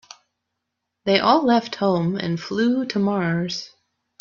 They all left home and flew to Mars.